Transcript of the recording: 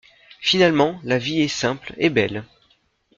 Finalement, la vie est simple et belle.